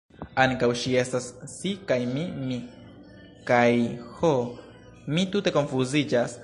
Ankaŭ ŝi estas si, kaj mi mi, kaj... ho, mi tute konfuziĝas!